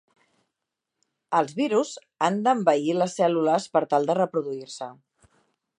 Els virus han d'envair les cèl·lules per tal de reproduir-se.